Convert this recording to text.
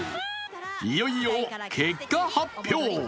いよいよ、結果発表。